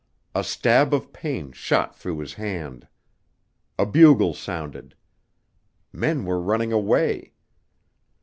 A stab of pain shot through his hand. A bugle sounded. Men were running away.